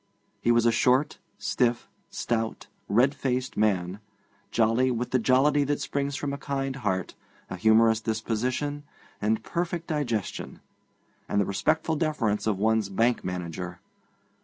He was a short, stiff, stout, red faced man, jolly with the jollity that springs from a kind heart, a humorous disposition, a perfect digestion, and the respectful deference of one's bank manager.